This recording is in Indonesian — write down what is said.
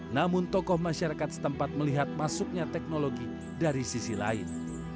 namun tokoh masyarakat setempat melihat masuknya teknologi dari sisi lain